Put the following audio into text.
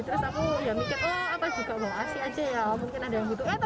terus aku ya mikir oh apa juga asih aja ya